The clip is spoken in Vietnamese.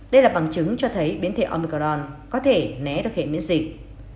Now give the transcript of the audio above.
đây là bằng chứng cho thấy biến thể omicron có thể né được hệ miễn dịch